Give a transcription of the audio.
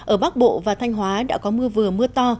ở bắc bộ và thanh hóa đã có mưa vừa mưa to